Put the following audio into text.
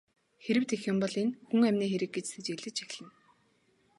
Хэрэв тийм бол энэ хүн амины хэрэг гэж сэжиглэж эхэлнэ.